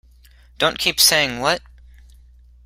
Don't keep saying, 'What?'